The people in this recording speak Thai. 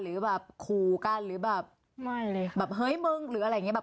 หรือแบบขู่กันหรือแบบไม่เลยแบบเฮ้ยมึงหรืออะไรอย่างเงี้แบบ